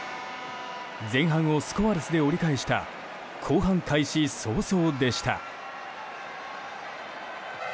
前半をスコアレスで折り返した後半開始早々でした。